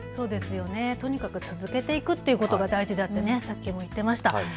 とにかく続けていくっていうことが大事だってさっきも言っていました。